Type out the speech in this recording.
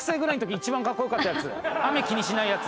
雨気にしないやつ。